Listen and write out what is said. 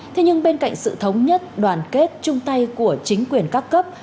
thế nhưng bên cạnh sự thống nhất đoàn kết chung tay của chính quyền các cấp